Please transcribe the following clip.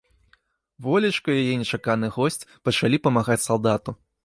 Волечка і яе нечаканы госць пачалі памагаць салдату.